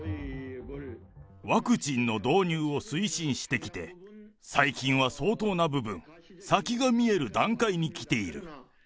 ワクチンの導入を推進してきて、最近は相当な部分、先が見える段階に来ている。